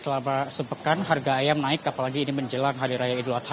selama sepekan harga ayam naik apalagi ini menjelang hari raya idul adha